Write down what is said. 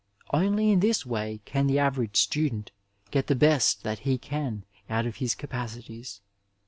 Only in this way can the average student get the best that he can out of his capacities.